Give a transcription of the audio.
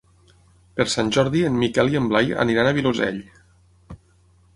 Per Sant Jordi en Miquel i en Blai aniran al Vilosell.